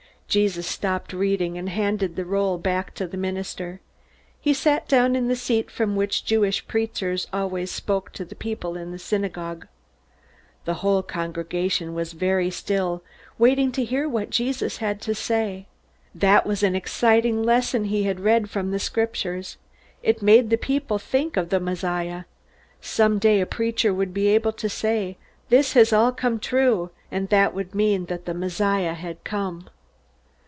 Jesus stopped reading and handed the roll back to the minister. He sat down in the seat from which Jewish preachers always spoke to the people in the synagogue. The whole congregation was very still, waiting to hear what Jesus had to say. That was an exciting lesson he had read from the Scriptures. It made the people think of the Messiah. Someday a preacher would be able to say, "This has all come true!" And that would mean that the Messiah had come.